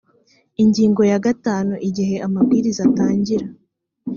ingingo ya gatanu igihe amabwiriza atangira